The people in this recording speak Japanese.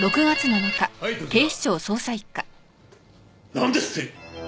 なんですって！？